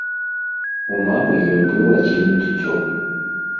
У мамы ён быў адзіным дзіцем.